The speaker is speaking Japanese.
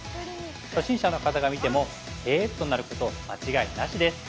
初心者の方が見ても「へえ」となること間違いなしです。